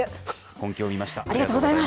本気を見せました。